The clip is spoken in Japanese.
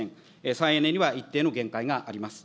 再エネには一定の限界があります。